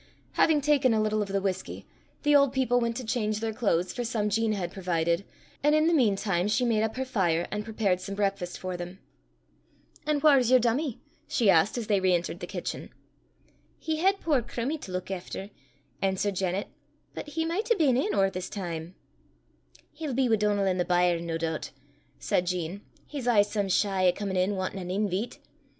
Having taken a little of the whisky, the old people went to change their clothes for some Jean had provided, and in the mean time she made up her fire, and prepared some breakfast for them. "An' whaur's yer dummie?" she asked, as they re entered the kitchen. "He had puir Crummie to luik efter," answered Janet; "but he micht hae been in or this time." "He'll be wi' Donal i' the byre, nae doobt," said Jean: "he's aye some shy o' comin' in wantin' an inveet."